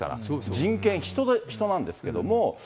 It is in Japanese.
人権、人なんですけども。